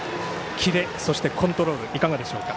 キレ、そしてコントロールいかがでしょうか。